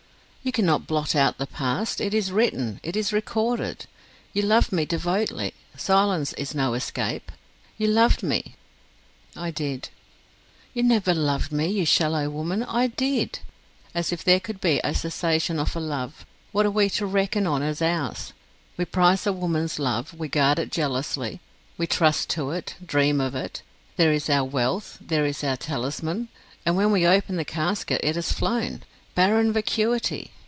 "You cannot blot out the past: it is written, it is recorded. You loved me devotedly, silence is no escape. You loved me." "I did." "You never loved me, you shallow woman! 'I did!' As if there could be a cessation of a love! What are we to reckon on as ours? We prize a woman's love; we guard it jealously, we trust to it, dream of it; there is our wealth; there is our talisman! And when we open the casket it has flown! barren vacuity!